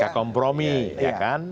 mereka kompromi ya kan